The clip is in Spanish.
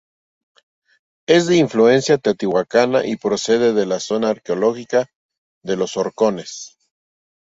Es de influencia teotihuacana y procede de la zona arqueológica de Los Horcones.